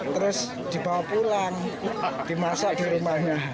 terus dibawa pulang dimasak di rumahnya